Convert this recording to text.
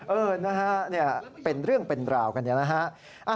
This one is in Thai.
เออเป็นเรื่องเป็นราวกันอย่างนี้นะ